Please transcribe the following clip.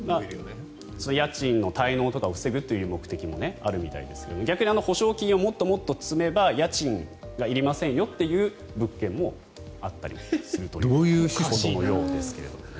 家賃の滞納とかを防ぐという目的もあるみたいですが逆に保証金をもっと積めば家賃がいりませんよという物件もあったりするというようですが。